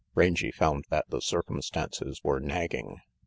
Rangy found that the circumstances were nagging.